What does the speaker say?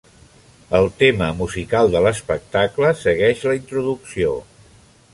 El tema musical de l'espectacle segueix la introducció.